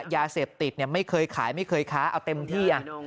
ยาเสพติดไม่เคยขายไม่เคยค้าเอาเต็มที่